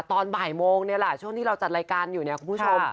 ตอนบ่ายโมงนี่แหละช่วงที่เราจัดรายการอยู่เนี่ยคุณผู้ชม